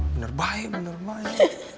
bener baik bener baik